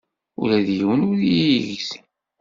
Ula d yiwen ur iyi-yegzi.